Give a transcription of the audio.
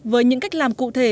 với những cách làm cụ thể